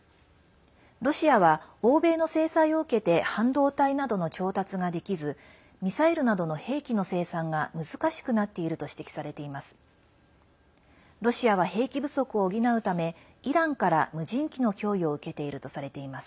ロシアは欧米の制裁を受けて半導体などの調達ができずミサイルなどの兵器の生産が難しくなっていると指摘されています。